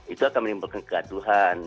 itu akan menimbulkan kegaduhan